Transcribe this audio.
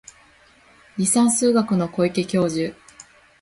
離散数学の小池教授